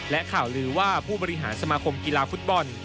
และข่าวลือว่าผู้บริหารสมาคมกีฬาฟุตบอล